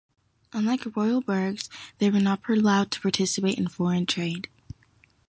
Unlike royal burghs, they were not allowed to participate in foreign trade.